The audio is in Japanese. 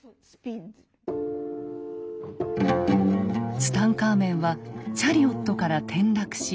ツタンカーメンはチャリオットから転落し骨折。